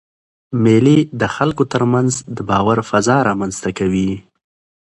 مېلې د خلکو ترمنځ د باور فضا رامنځ ته کوي.